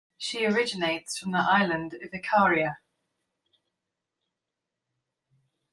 She originates from the island of Icaria.